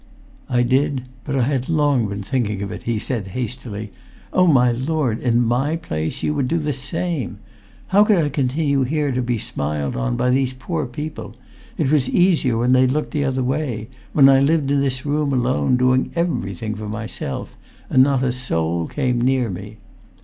"I did—but I had long been thinking of it," he said, hastily. "Oh, my lord, in my place you would do the same! How could I continue here to be smiled on by these poor people? It was easier when they looked the other way, when I lived in this room alone, doing everything for myself, and not a soul came near me.